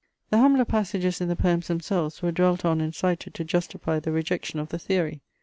The humbler passages in the poems themselves were dwelt on and cited to justify the rejection of the theory.